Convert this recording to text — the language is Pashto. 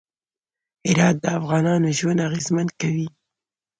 هرات د افغانانو ژوند اغېزمن کوي.